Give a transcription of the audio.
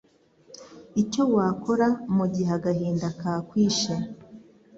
ICYO WAKORA mugihe agahinda ka kwishe: